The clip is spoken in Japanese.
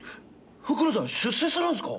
福野さん出世するんですか！？